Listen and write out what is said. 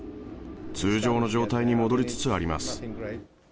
通常の状態に戻りつつあります。